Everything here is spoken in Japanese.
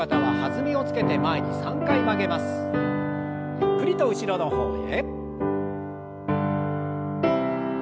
ゆっくりと後ろの方へ。